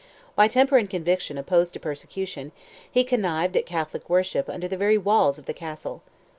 By temper and conviction opposed to persecution, he connived at Catholic worship under the very walls of the Castle.